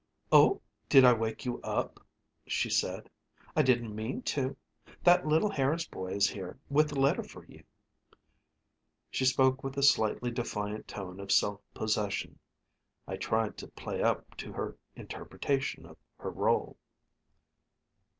"Oh, did I wake you up?" she said. "I didn't mean to. That little Harris boy is here with a letter for you." She spoke with a slightly defiant tone of self possession. I tried to play up to her interpretation of her r√īle.